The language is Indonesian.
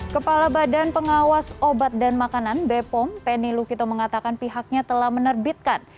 kepala badan pengawas obat dan makanan bepom penny lukito mengatakan pihaknya telah menerbitkan